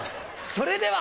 それでは！